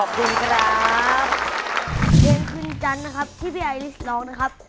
เมื่อขึ้นจันทร์นะครับที่พี่ไอลิสร้องนะครับ